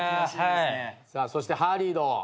そしてハリード。